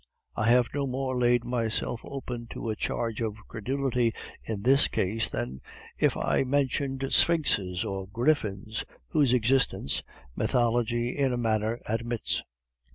I have no more laid myself open to a charge of credulity in this case, than if I had mentioned sphinxes or griffins, whose existence mythology in a manner admits."